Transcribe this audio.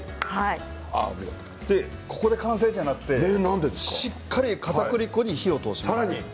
ここで完成ではなくてしっかり、かたくり粉に火を通します。